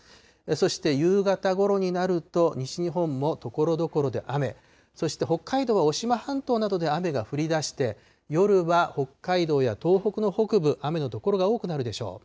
そして夕方ごろになると、西日本もところどころで雨、そして北海道はおしま半島などで雨が降りだして、夜は北海道や東北の北部、雨の所が多くなるでしょう。